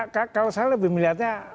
kalau saya lebih melihatnya